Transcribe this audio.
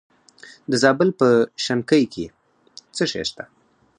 د زابل په شنکۍ کې څه شی شته؟